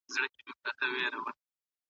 سګریټ څکول باید پرېښودل شي.